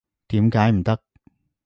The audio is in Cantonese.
點解唔得？